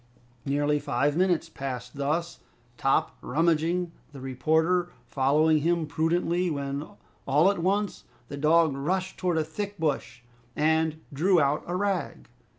Nearly five minutes passed thus, Top rummaging, the reporter following him prudently when, all at once, the dog rushed towards a thick bush, and drew out a rag.